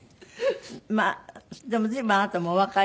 まあでも随分あなたもお若いわね。